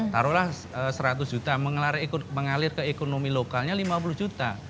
taruhlah seratus juta mengalir ke ekonomi lokalnya lima puluh juta